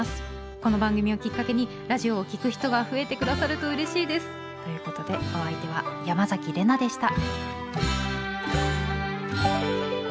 この番組をきっかけにラジオを聴く人が増えて下さるとうれしいです。ということでお相手は山崎怜奈でした。